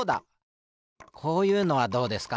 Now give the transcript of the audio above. こういうのはどうですか？